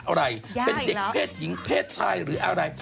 ยากอีกแล้วเป็นเด็กเพศหญิงเพศชายหรืออะไร